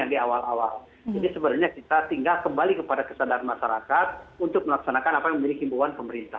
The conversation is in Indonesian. jadi sebenarnya kita tinggal kembali kepada kesadaran masyarakat untuk melaksanakan apa yang menjadi imbuan pemerintah